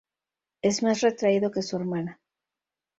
Es más retraído que su hermana.